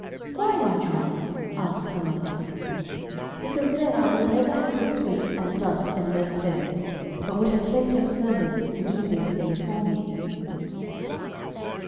"Why, my child?" asked her mother. "Because then I would never have to sweep and dust and make beds, but would have plenty of servants to do these things for me."